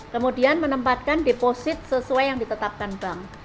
kemudian menempatkan deposit sesuai yang ditetapkan bank